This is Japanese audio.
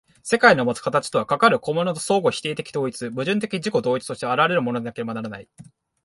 世界のもつ形とは、かかる個物の相互否定的統一、矛盾的自己同一として現れるものでなければならない。